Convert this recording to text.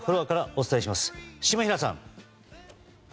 お伝えします。